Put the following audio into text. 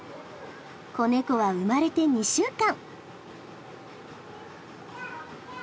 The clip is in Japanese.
子ネコは生まれて２週間。